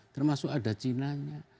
termasuk ada cinanya